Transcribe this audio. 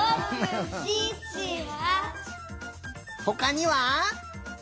ほかには？